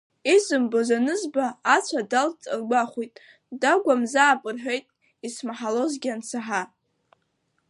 Изымбоз анызба, ацәа далҵт ргәахәит, ддагәамзаап рҳәеит, исмаҳалозгьы ансаҳа.